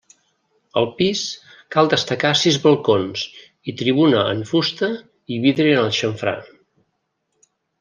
Al pis cal destacar sis balcons i tribuna en fusta i vidre en el xamfrà.